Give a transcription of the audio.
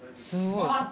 すごい。